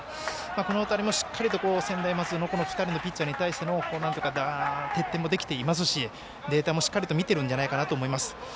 この辺りもしっかりと専大松戸の２人のピッチャーに対して徹底もできていますしデータもしっかり見ているんじゃないかなと思います。